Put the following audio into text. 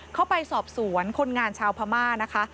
เข้าไปสอบสวนคนงานชาวพม่านะคะ